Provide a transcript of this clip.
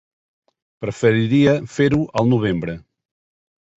Preferiria fer-ho al novembre.